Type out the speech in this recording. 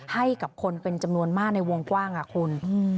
ให้กับคนเป็นจำนวนมากในวงกว้างค่ะคุณ